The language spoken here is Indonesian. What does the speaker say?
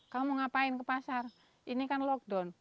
kamu ngapain ke pasar ini kan lockdown